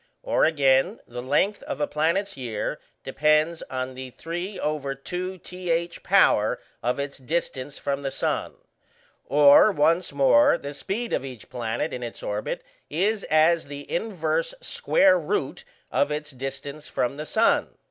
Or, again, the length of a planet's year depends on the 3/2th power of its distance from the sun. Or, once more, the speed of each planet in its orbit is as the inverse square root of its distance from the sun.